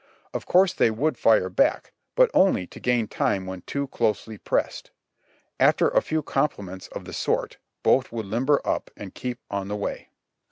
Of course they would fire back, but only to gain time when too closely pressed. After a few compliments of the sort, both would limber up and keep on the way.